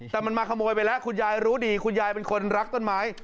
แต่มันมาขโมยไปแล้วคุณยายรู้ดีคุณยายเป็นคนรักต้นไม้